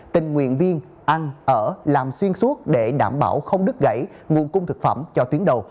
tình nguyện viên ăn ở làm xuyên suốt để đảm bảo không đứt gãy nguồn cung thực phẩm cho tuyến đầu